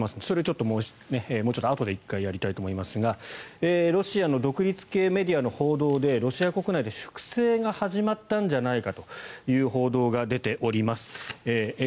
それをもうちょっとあとで１回やりたいと思いますがロシアの独立系メディアの報道でロシア国内で粛清が始まったんじゃないかという報道が出ています。